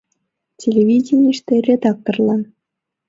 Телевиденийыште редакторлан.